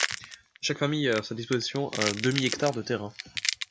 Chaque famille y a à sa disposition un demi-hectare de terrain.